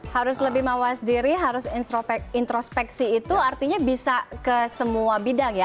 harus lebih mawas diri harus introspeksi itu artinya bisa ke semua bidang ya